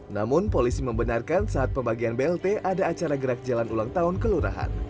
namun polisi membenarkan saat pembagian blt ada acara gerak jalan ulang tahun kelurahan